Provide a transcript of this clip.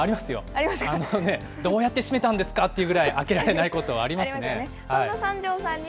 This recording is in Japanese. あのね、どうやって閉めたんですかっていうぐらい開けられないことはありますね。